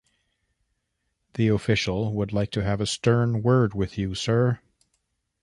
The official would like to have a stern word with you, sir.